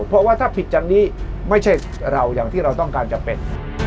เพราะว่าถ้าผิดจันนี้ไม่ใช่เราอย่างที่เราต้องการจะเป็น